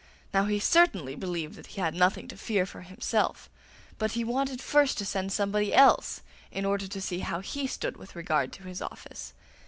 Now he certainly believed that he had nothing to fear for himself, but he wanted first to send somebody else in order to see how he stood with regard to his office.